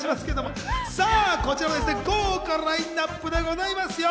こちらは豪華ラインナップでございますよ。